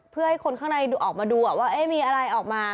เพื่อให้คนข้างในออกมาดูว่ามีอะไรออกมา